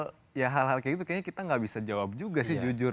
ya maksudnya ya gak ada hal hal kayak gitu kayaknya kita gak bisa jawab juga sih jujur